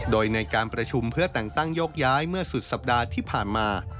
โดยในการประชุมเพื่อแต่งตั้งโยกย้ายเมื่อสุดสัปดาห์ที่ผ่านมา